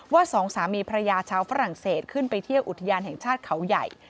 สองสามีภรรยาชาวฝรั่งเศสขึ้นไปเที่ยวอุทยานแห่งชาติเขาใหญ่